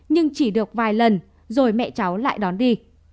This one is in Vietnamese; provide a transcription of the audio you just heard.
nhưng chỉ được vài lần rồi mẹ cháu lại đón đi